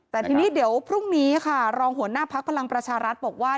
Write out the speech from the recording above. แต่ทีนี้เดี๋ยวพรุ่งนี้ค่ะรองหัวหน้าพักพลังประชารัฐบอกว่า